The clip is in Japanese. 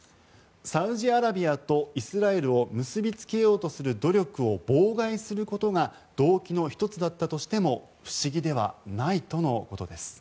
サウジアラビアとイスラエルを結びつけようとする努力を妨害することが動機の１つだったとしても不思議ではないとのことです。